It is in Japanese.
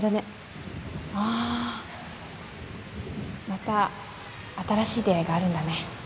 また新しい出会いがあるんだね。